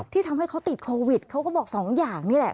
ที่เขาติดโควิดเขาก็บอกสองอย่างนี่แหละ